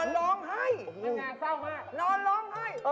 นอนร้องไห้